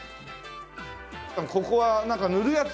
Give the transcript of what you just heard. ここはなんか塗るやつ？